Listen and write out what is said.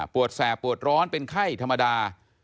แสบปวดร้อนเป็นไข้ธรรมดา